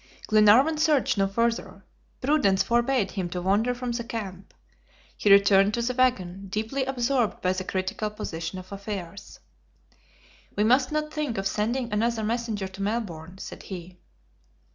Glenarvan searched no further. Prudence forbade him to wander from the camp. He returned to the wagon, deeply absorbed by the critical position of affairs. "We must not think of sending another messenger to Melbourne," said he.